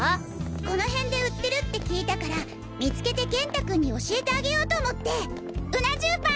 この辺で売ってるって聞いたから見つけて元太君に教えてあげようと思ってうな重パン！